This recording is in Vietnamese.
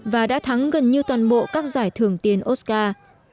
và đã thắng gần như toàn bộ các giải thưởng tiền oscar